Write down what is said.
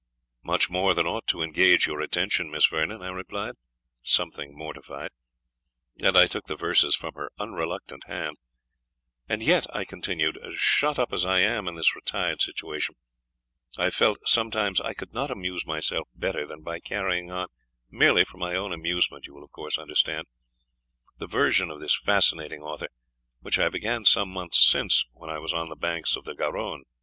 "Much more than ought to engage your attention, Miss Vernon," I replied, something mortified; and I took the verses from her unreluctant hand "And yet," I continued, "shut up as I am in this retired situation, I have felt sometimes I could not amuse myself better than by carrying on merely for my own amusement, you will of course understand the version of this fascinating author, which I began some months since when I was on the banks of the Garonne."